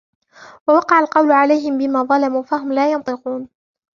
وَوَقَعَ الْقَوْلُ عَلَيْهِمْ بِمَا ظَلَمُوا فَهُمْ لَا يَنْطِقُونَ